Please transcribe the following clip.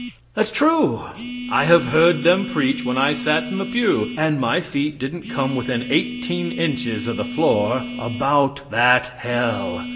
That's true! I have heard them preach when I sat in the pew, and my feet didn't come within eighteen inches of the floor, about that hell.